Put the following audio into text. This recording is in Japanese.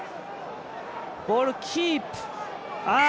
ボールキープ。